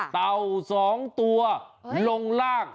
เต่า๒ตัวลงล่าง